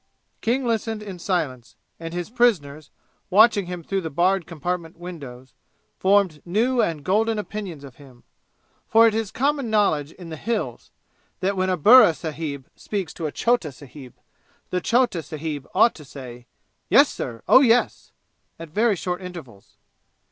King listened in silence, and his prisoners, watching him through the barred compartment windows, formed new and golden opinions of him, for it is common knowledge in the "Hills" that when a burra sahib speaks to a chota sahib, the chota sahib ought to say, "Yes, sir, oh, yes!" at very short intervals.